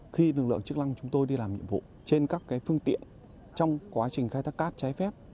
khi lực lượng chức năng chúng tôi đi làm nhiệm vụ trên các phương tiện trong quá trình khai thác cát trái phép